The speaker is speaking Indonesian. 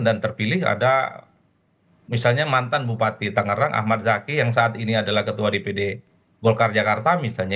dan terpilih ada misalnya mantan bupati tangerang ahmad zaki yang saat ini adalah ketua dpd golkar jakarta misalnya